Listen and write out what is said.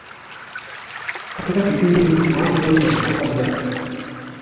Katika kipindi hiki watu wengi walikufa njaa.